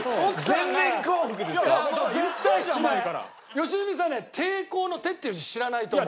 良純さんはね「抵抗」の「て」っていう字知らないと思う。